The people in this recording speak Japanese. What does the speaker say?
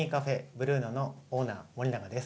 「ブルーノ」のオーナー森永です